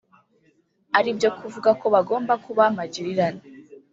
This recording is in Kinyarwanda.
ari byo kuvuga ko bagombaga kuba magirirane